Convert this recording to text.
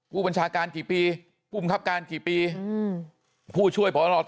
กูบัญชาการกี่ปีคุมครับการกี่ปีหือพู้ช่วยพพพกปี